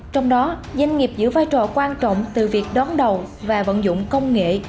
trong đó doanh nghiệp giữ vai trò quan trọng từ việc đón đầu và vận dụng công nghệ